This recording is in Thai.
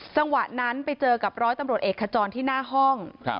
จังหวะนั้นไปเจอกับร้อยตำรวจเอกขจรที่หน้าห้อง